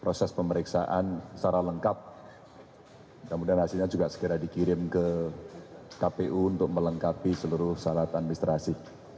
proses pemeriksaan secara lengkap kemudian hasilnya juga segera dikirim ke kpu untuk melengkapi seluruh syarat administrasi